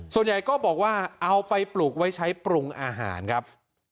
ส่วนใหญ่ก็บอกว่าเอาไปปลูกไว้ใช้ปรุงอาหารครับ